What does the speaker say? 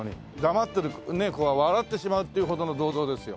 黙ってる子は笑ってしまうっていうほどの銅像ですよ。